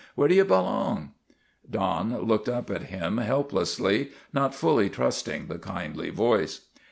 " Where do ye belong ?' Don looked up at him helplessly, not fully trusting the kindly voice.